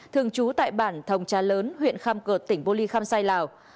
thường trú tại bản thồng tra lớn huyện kham cợt tỉnh bô ly kham sai lào